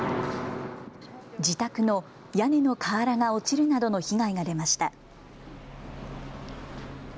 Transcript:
自宅の屋根の瓦が落ちるなどの被害が出ました。